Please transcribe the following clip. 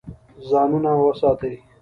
ځانونه وساتئ.